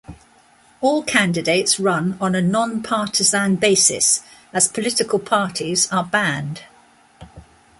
All candidates run on a non-partisan basis, as political parties are banned.